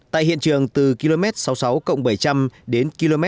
tại hiện trường từ km sáu mươi sáu bảy trăm linh đến km sáu mươi sáu năm trăm linh